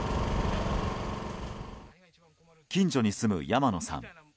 近所に住む山野さん。